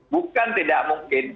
bukan tidak mungkin